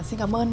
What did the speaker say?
xin cảm ơn anh